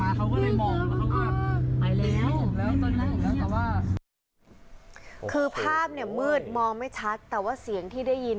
คือภาพเนี่ยมืดมองไม่ชัดแต่ว่าเสียงที่ได้ยิน